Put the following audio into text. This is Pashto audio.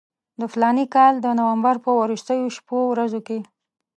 د فلاني کال د نومبر په وروستیو شپو ورځو کې.